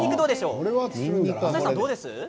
朝日さん、どうです？